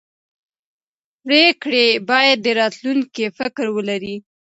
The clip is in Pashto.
پرېکړې باید د راتلونکي فکر ولري